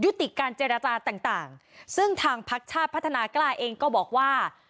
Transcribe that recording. ติการเจรจาต่างต่างซึ่งทางพักชาติพัฒนากล้าเองก็บอกว่า